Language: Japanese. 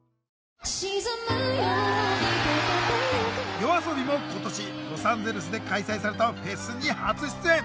ＹＯＡＳＯＢＩも今年ロサンゼルスで開催されたフェスに初出演。